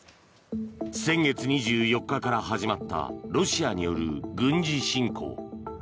先月２４日から始まったロシアによる軍事侵攻。